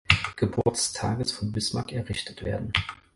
Geburtstages von Bismarck errichtet werden.